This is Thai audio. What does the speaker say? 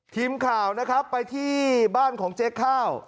ทีมข่าวนะครับไปที่บ้านของเจ๊ข้าว